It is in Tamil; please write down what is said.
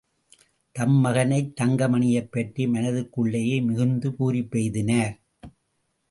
தம் மகன் தங்கமணியைப்பற்றி மனத்திற்குள்ளேயே மிகுந்த பூரிப்பெய்தினார்.